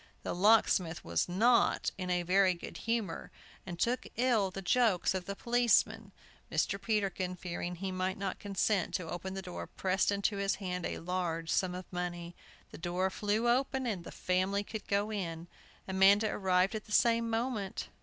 The locksmith was not in very good humor, and took ill the jokes of the policeman. Mr. Peterkin, fearing he might not consent to open the door, pressed into his hand a large sum of money. The door flew open; the family could go in. Amanda arrived at the same moment.